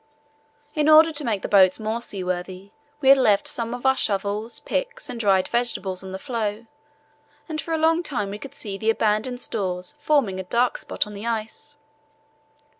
In order to make the boats more seaworthy we had left some of our shovels, picks, and dried vegetables on the floe, and for a long time we could see the abandoned stores forming a dark spot on the ice.